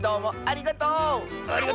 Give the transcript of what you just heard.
ありがとう！